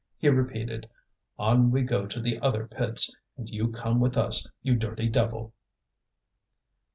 He repeated: "On we go to the other pits, and you come with us, you dirty devil!"